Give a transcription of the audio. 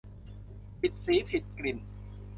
ผิดสีผิดกลิ่น